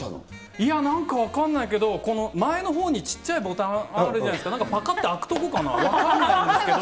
いや、なんか分かんないけど、この前のほうにちっちゃいボタンあるじゃないですか、なんかぱかって開くところかな、分かんないんですけど。